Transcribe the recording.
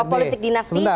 bahwa politik dinasti